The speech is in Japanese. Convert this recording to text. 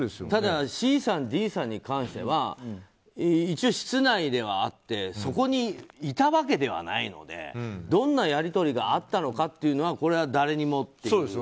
ただ、Ｃさん、Ｄさんに関しては一応室内ではあってそこにいたわけではないのでどんなやり取りがあったのかというのはこれは誰にもっていう。